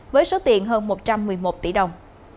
với số tiền hơn một trăm một mươi một tỷ đồng